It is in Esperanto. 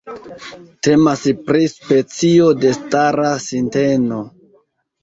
Temas pri specio de stara sinteno.